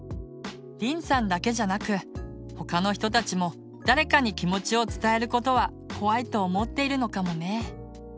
りんさんだけじゃなく他の人たちも誰かに気持ちを伝えることは怖いと思っているのかもね。